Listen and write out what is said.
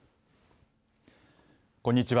こんにちは。